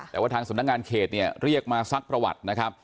แต่ว่าทางสำนักงานเขตเนี่ยเรียกมาซักประวัตินะครับ